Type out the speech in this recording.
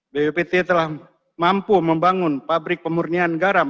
bppt telah mampu membangun pabrik pemurnian garam